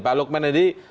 pak lukman edi